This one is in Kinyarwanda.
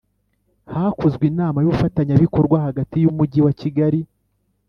Hakozwe Inama y ubufatanyabikorwa hagati y Umujyi wa Kigali